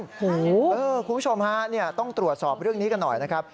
คุณผู้ชมฮะต้องตรวจสอบเรื่องนี้กันหน่อยนะครับ